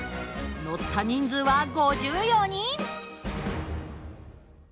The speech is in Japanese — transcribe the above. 乗った人数は５４人！